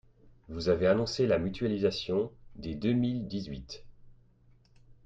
Vous avez annoncé la mutualisation dès deux mille dix-huit.